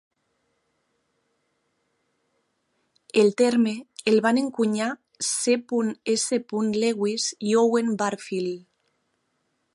El terme el van encunyar C. S. Lewis i Owen Barfield.